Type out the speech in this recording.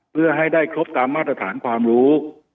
เพื่อให้ได้ครบตามมาตรฐานความรู้